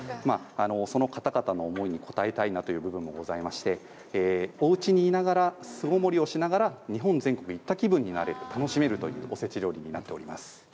その方々の思いに応えたいということがありましておうちにいながら巣ごもりをしながら日本全国行った気分になれる楽しめるというおせち料理になっております。